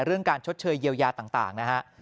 เรื่องการชดเชยเยียวยาต่างนะฮะ